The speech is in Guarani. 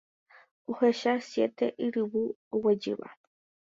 Ohecha siete yryvu oguejýva.